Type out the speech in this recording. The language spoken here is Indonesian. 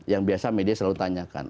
yang biasa media selalu tanyakan